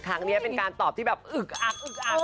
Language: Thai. ครั้งนี้เป็นการตอบที่อึกอัก